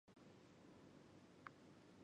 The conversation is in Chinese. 安第斯红鹳会在泥丘上产一只白色的蛋。